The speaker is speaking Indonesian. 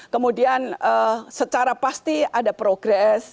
kemudian secara pasti ada progres